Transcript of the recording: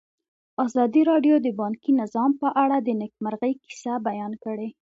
ازادي راډیو د بانکي نظام په اړه د نېکمرغۍ کیسې بیان کړې.